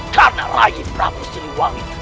karena rai prabu surrawisesa